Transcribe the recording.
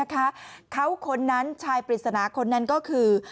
เขาคนนั้นชายปริศนาคนนั้นก็คือ